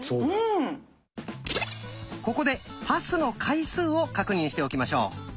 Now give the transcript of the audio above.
ここでパスの回数を確認しておきましょう。